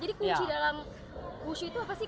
jadi kunci dalam wushu itu apa sih